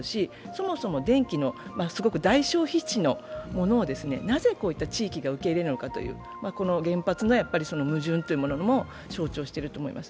そもそも電気の大消費地でないのになぜこういった地域が受け入れるのかという原発の矛盾を象徴していると思います。